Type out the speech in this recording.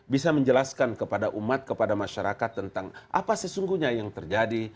bisa menjelaskan kepada umat kepada masyarakat tentang apa sesungguhnya yang terjadi